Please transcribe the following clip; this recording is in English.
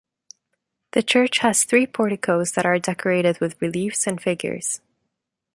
The church has three porticos that are decorated with reliefs and figures.